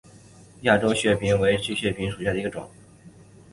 亚洲血蜱为硬蜱科血蜱属下的一个种。